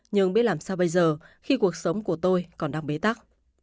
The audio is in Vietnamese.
nhưng biết làm sao bây giờ khi cuộc sống của tôi còn đang bế tắc